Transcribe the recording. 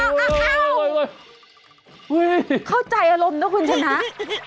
อุ๊ฮิเข้าใจอารมณ์แล้วคุณใช่ไหม